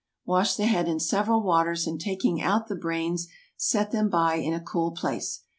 Wash the head in several waters, and taking out the brains, set them by in a cool place.